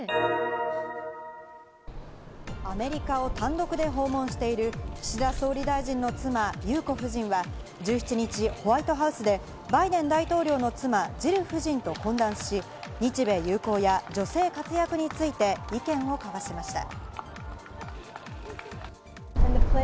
アメリカを単独で訪問している岸田総理大臣の妻・裕子夫人は１７日、ホワイトハウスでバイデン大統領の妻・ジル夫人と懇談し、日米友好や女性活躍について意見を交わしました。